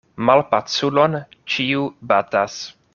Malpaculon ĉiu batas.